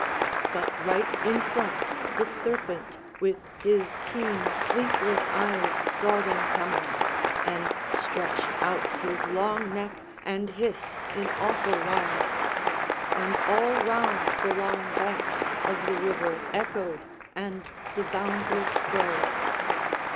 But right in front the serpent with his keen sleepless eyes saw them coming, and stretched out his long neck and hissed in awful wise; and all round the long banks of the river echoed and the boundless grove.